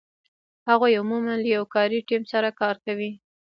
هغوی عمومآ له یو کاري ټیم سره کار کوي.